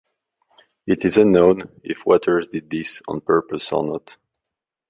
It is unknown if Waters did this on purpose or not.